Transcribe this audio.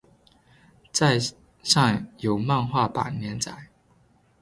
在上有漫画版连载。